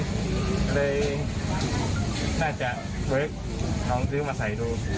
ก็เลยน่าจะเวิร์คน้องซื้อมาใส่ดู